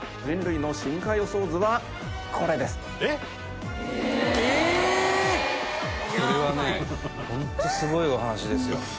すごいお話ですよ。